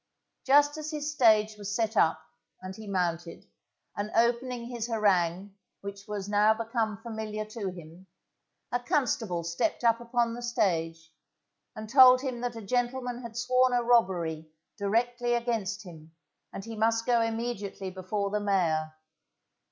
Just as his stage was set up, and he mounted, and opening his harangue which was now become familiar to him, a constable stepped up upon the stage, and told him that a gentleman had sworn a robbery directly against him, and he must go immediately before the mayor.